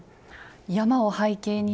山を背景にして。